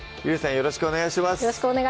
よろしくお願いします